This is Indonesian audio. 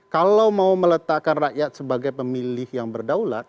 kalau mau meletakkan rakyat sebagai pemilih yang berdaulat